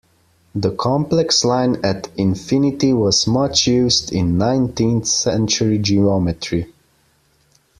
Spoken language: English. The complex line at infinity was much used in nineteenth century geometry.